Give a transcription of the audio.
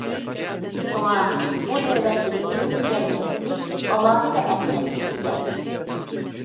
شۇڭا، بۇ نۆۋەتلىك ئۈرۈمچى يەرمەنكىسى ئالاھىدە ئەھمىيەتكە ئىگە.